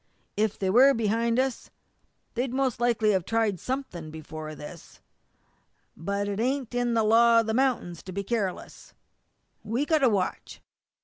If they were behind us they'd most likely have tried something before this. But it ain't in the law of the mount'ins to be careless. We've got to watch."